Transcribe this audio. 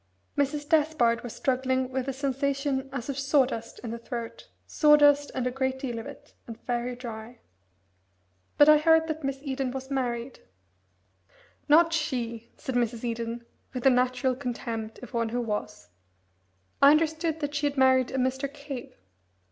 Mrs. Despard was struggling with a sensation as of sawdust in the throat sawdust, and a great deal of it, and very dry. "But I heard that Miss Eden was married " "Not she!" said Mrs. Eden, with the natural contempt of one who was. "I understood that she had married a Mr. Cave."